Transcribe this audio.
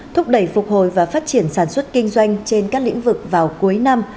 thúc đẩy phục hồi và phát triển sản xuất kinh doanh trên các lĩnh vực vào cuối năm